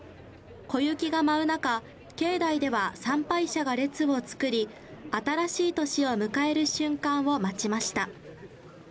小雪が舞う中、境内では参拝者が列を作り、新しい年を迎える瞬間を待ちました。